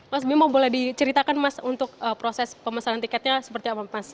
mas bimo boleh diceritakan mas untuk proses pemesanan tiketnya seperti apa mas